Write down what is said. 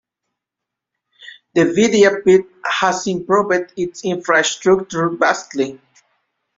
The Vidyapith has improved its infrastructure vastly.